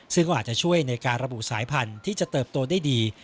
ซึ่งก็อาจจะช่วยในการระบุสายพันธุ์ที่จะเติบโตได้ดี